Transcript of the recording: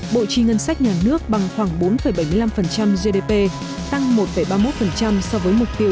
bộ chi ngân sách nhà nước bằng khoảng bốn bảy mươi năm gdp tăng một ba mươi một so với mục tiêu